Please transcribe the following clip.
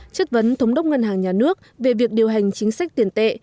chất vấn thống đốc ngân hàng nhà nước về việc điều hành chính sách tiền tệ